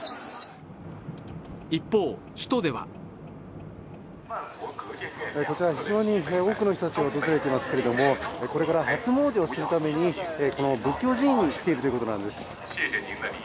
一方、首都ではこちら非常に多くの人たちが訪れていますけれども、これから初詣をするために、この仏教寺院に来ているということなんです。